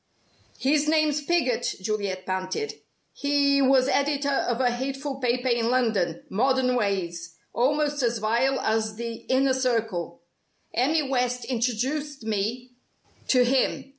"His name's Piggott," Juliet panted. "He was editor of a hateful paper in London Modern Ways almost as vile as the Inner Circle. Emmy West introduced me to him.